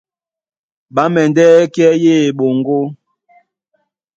Ɓá mɛndɛ́ kɛ́ yé eɓoŋgó,